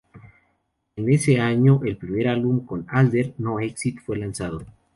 En ese año, el primer álbum con Alder, "No Exit", fue lanzado.